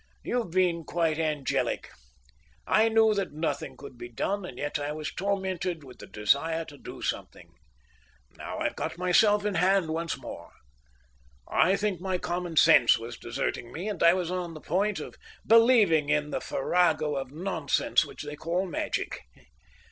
"You've been quite angelic. I knew that nothing could be done, and yet I was tormented with the desire to do something. Now I've got myself in hand once more. I think my common sense was deserting me, and I was on the point of believing in the farrago of nonsense which they call magic.